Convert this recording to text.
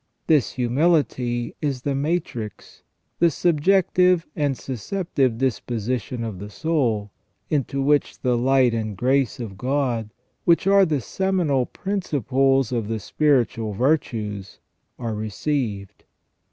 This humility is the matrix, the subjective and susceptive disposition of the soul, into which the light and grace of God, which are the seminal principles of the spiritual virtues, are received.